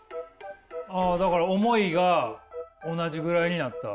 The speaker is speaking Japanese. あだから思いが同じぐらいになった。